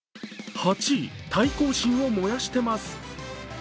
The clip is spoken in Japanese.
８位、対抗心を燃やしてます。